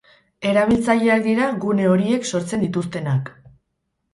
Erabiltzaileak dira gune horiek sortzen dituztenak.